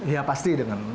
ya pasti dengan